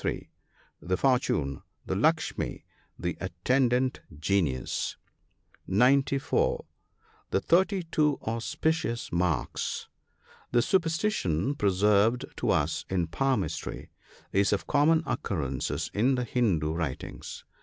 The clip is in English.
The fortune. — The "Lukshmi," the attendant genius. (94 ) The thirty two auspicious marks. — This superstition, preserved to us in palmistry, is of common occurrence in the Hindoo writings.